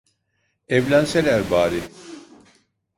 Evlenseler bari.